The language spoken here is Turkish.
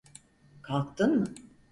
Kalktın mı?